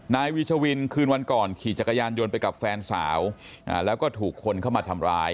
นายวีชวินคืนวันก่อนขี่จักรยานยนต์ไปกับแฟนสาวแล้วก็ถูกคนเข้ามาทำร้าย